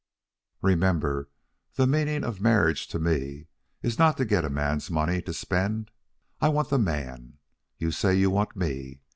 "Remember, the meaning of marriage to me is not to get a man's money to spend. I want the man. You say you want ME.